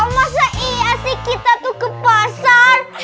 masa iya sih kita tuh ke pasar